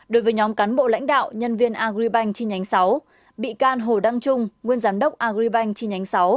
đối với nhóm cán bộ lãnh đạo nhân viên agribank chi nhánh sáu bị can hồ đăng trung nguyên giám đốc agribank chi nhánh sáu